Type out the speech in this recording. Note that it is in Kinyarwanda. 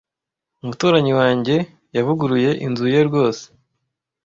Umuturanyi wanjye yavuguruye inzu ye rwose.